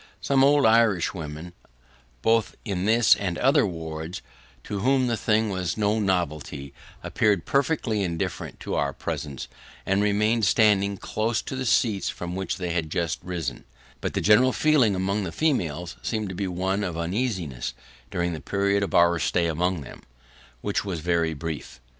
Some old Irish women, both in this and other wards, to whom the thing was no novelty, appeared perfectly indifferent to our presence, and remained standing close to the seats from which they had just risen; but the general feeling among the females seemed to be one of uneasiness during the period of our stay among them: which was very brief.